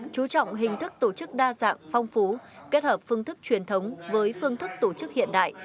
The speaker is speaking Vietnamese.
chú trọng hình thức tổ chức đa dạng phong phú kết hợp phương thức truyền thống với phương thức tổ chức hiện đại